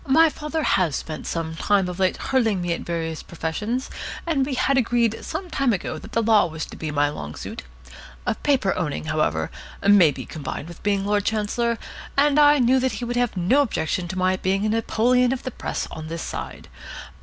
My father has spent some time of late hurling me at various professions, and we had agreed some time ago that the Law was to be my long suit. Paper owning, however, may be combined with being Lord Chancellor, and I knew he would have no objection to my being a Napoleon of the Press on this side.